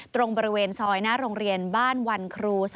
ตรงบริเวณซอยหน้าโรงเรียนบ้านวันครู๒